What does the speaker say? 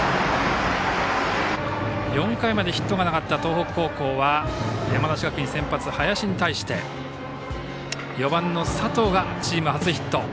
４回までヒットがなかった東北高校は山梨学院先発、林に対して４番の佐藤がチーム初ヒット。